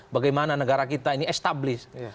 bagaimana negara kita ini established